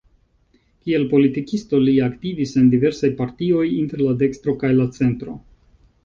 Kiel politikisto li aktivis en diversaj partioj inter la dekstro kaj la centro.